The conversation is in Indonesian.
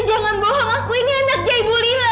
jangan bohong aku ini anaknya ibu lila